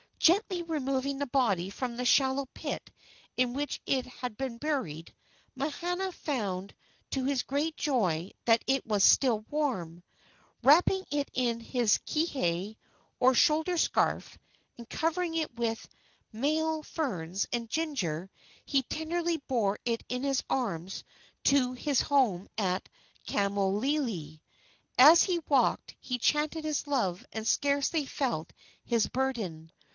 Gently removing the body from the shallow pit in which it had been buried, Mahana found to his great joy that it was still warm. Wrapping it in his kihei, or shoulder scarf, and covering it with maile ferns and ginger, he tenderly bore it in his arms to his home at Kamoiliili. As he walked he chanted his love and scarcely felt his burden.